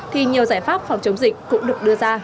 thì nhiều giải pháp phòng chống dịch cũng được đưa ra